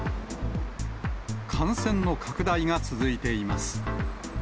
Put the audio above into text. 感染の拡大が続いています。